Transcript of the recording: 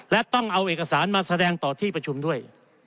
และต้องเอาเอกสารมาแสดงต่อที่ประชุมด้วย